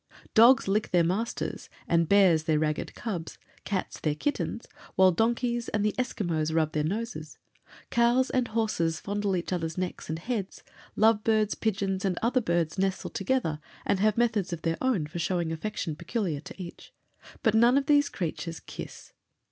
Dogs lick their masters and bears their ragged cubs; cats their kittens, while donkeys and the Esquimaux rub their noses; cows and horses fondle each others' necks and heads; love birds, pigeons, and other birds, nestle together and have methods of their own of showing affection peculiar to each; but none of these creatures kiss.